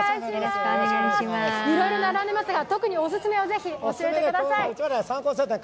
いろいろ並んでますが、特におすすめを是非教えてください。